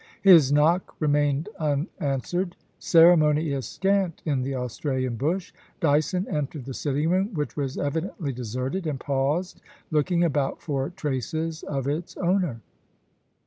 His knock remained unanswered. Ceremony is scant in the Australian bush. Dyson entered the sitting room, which was evidently deserted, and paused, looking about for traces of its owner.